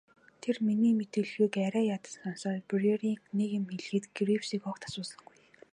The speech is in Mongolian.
Тэр миний мэдүүлгийг арай ядан сонсоод Бруерыг нэг юм хэлэхэд Гривсыг огт асуусангүй.